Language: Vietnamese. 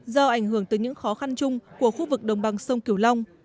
do ảnh hưởng tới những khó khăn chung của khu vực đồng bằng sông kiều long